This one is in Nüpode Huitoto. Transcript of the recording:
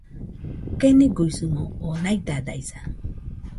Keniguisɨmo oo naidadaisa